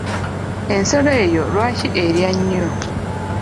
Ensolo eyo lwaki erya nnyo?